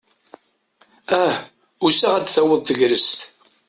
Ah! Uysaɣ ad taweḍ tegrest.